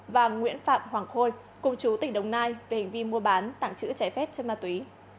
và nguyễn phạm hoàng khôi cùng chú tỉnh đồng nai về hành vi mua bán tặng chữ trái phép chất ma túy